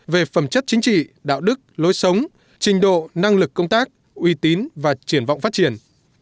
về phẩm chất chính trị đạo đức lối sống trình độ năng lực công tác uy tín và triển vọng phát triển